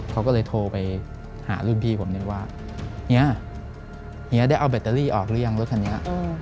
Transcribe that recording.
เขาก็เลยโทรไปหารุ่นพี่ผมนึกว่าเฮียเฮียได้เอาแบตเตอรี่ออกหรือยังรถคันนี้